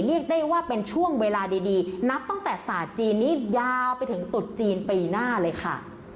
เรียกได้ว่าเป็นช่วงเวลาดีนับตั้งแต่ศาสตร์จีนนี้ยาวไปถึงตุดจีนปีหน้าเลยค่ะ